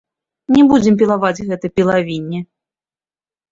Не будзем пілаваць гэта пілавінне.